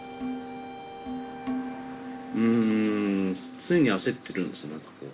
うん常に焦ってるんです何かこう。